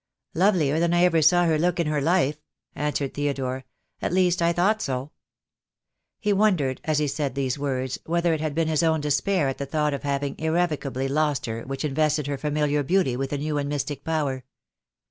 "Lovelier than I ever saw her look in her life," an swered Theodore. "At least I thought so." He wondered, as he said those words, whether it had been his own despair at the thought of having irrevocably lost her which invested her familiar beauty with a new and mystic power.